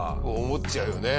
思っちゃうよね。